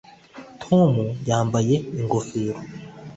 Tom yambaye ingofero